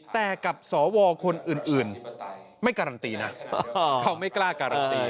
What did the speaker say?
แต่กับสวคนอื่นไม่การันตีนะเขาไม่กล้าการันตี